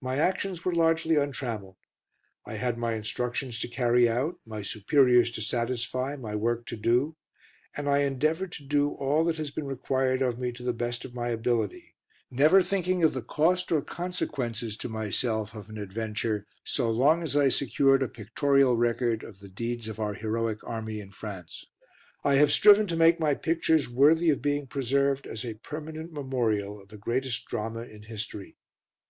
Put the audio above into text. My actions were largely untrammelled; I had my instructions to carry out; my superiors to satisfy; my work to do; and I endeavoured to do all that has been required of me to the best of my ability, never thinking of the cost, or consequences, to myself of an adventure so long as I secured a pictorial record of the deeds of our heroic Army in France. I have striven to make my pictures worthy of being preserved as a permanent memorial of the greatest Drama in history.